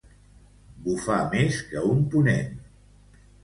Bufar més que un ponent.